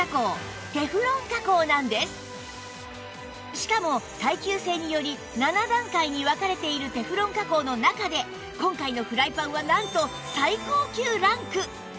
しかも耐久性により７段階に分かれているテフロン加工の中で今回のフライパンはなんと最高級ランク